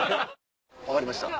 分かりました。